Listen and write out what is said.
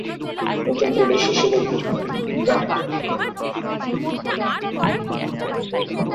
নতুন পুলিশ হিসেবে গ্রামের লোকজন থেকে সংবর্ধনা পেল।